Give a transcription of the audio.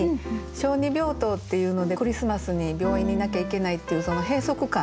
「小児病棟」っていうのでクリスマスに病院にいなきゃいけないっていう閉塞感っていうんですかね。